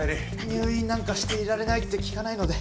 入院なんかしていられないって聞かないので。